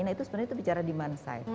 nah itu sebenarnya kita bicara demand side